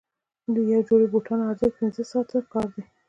د یوې جوړې بوټانو ارزښت پنځه ساعته کار دی.